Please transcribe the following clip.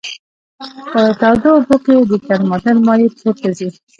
په تودو اوبو کې د ترمامتر مایع پورته ځي.